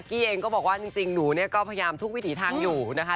กี้เองก็บอกว่าจริงหนูเนี่ยก็พยายามทุกวิถีทางอยู่นะคะ